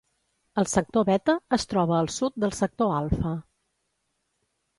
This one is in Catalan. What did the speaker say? El sector beta es troba al sud del sector alfa.